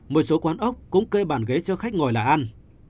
một số quán ốc cũng kê bàn ghế cho khách ngồi là ăn